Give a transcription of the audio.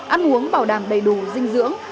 ăn uống bảo đảm đầy đủ dinh dưỡng